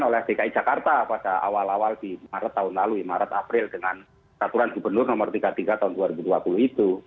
oleh dki jakarta pada awal awal di maret tahun lalu maret april dengan peraturan gubernur nomor tiga puluh tiga tahun dua ribu dua puluh itu